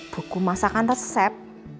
buku masakan resep